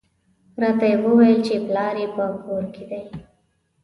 راته یې وویل چې پلار یې په کور کې دی.